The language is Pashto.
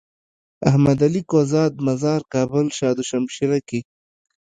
احمد علي کهزاد مزار کابل شاه دو شمشيره کي۔